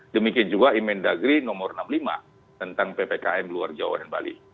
demikian juga imendagri nomor enam puluh lima tentang ppkm luar jawa dan bali